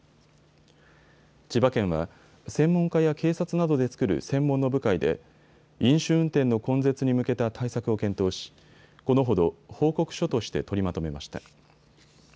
千葉県は専門家や警察などで作る専門の部会で飲酒運転の根絶に向けた対策を検討し、このほど、報告書として取りまとめました。